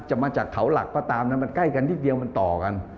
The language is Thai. มาจากเขาหลักก็ตามนะมันใกล้กันนิดเดียวมันต่อกัน